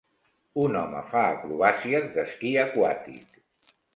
Un home fa acrobàcies d'esquí aquàtic.